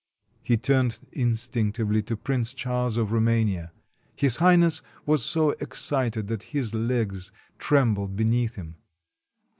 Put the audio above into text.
He turned instinctively to Prince Charles of Rou mania. His Highness was so excited that his legs trembled beneath him.